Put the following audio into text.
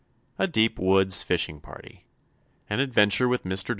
A DEEP WOODS FISHING PARTY AN ADVENTURE WITH MR.